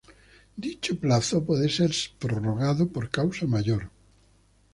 Dicho plazo puede ser prorrogado por causa mayor.